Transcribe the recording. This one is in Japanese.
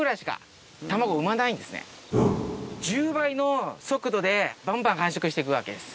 １０倍の速度でバンバン繁殖して行くわけです。